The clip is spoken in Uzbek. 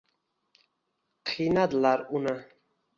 Qiynadilar uni